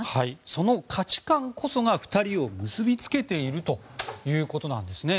その価値観こそが２人を結びつけているということなんですね。